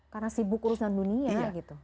karena sibuk urusan dunia gitu